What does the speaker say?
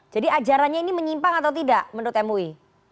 jadi ajarannya ini menyimpang atau tidak menurut mui